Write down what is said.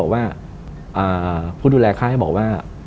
บอกว่าผู้ดูแลค่ายบอกว่า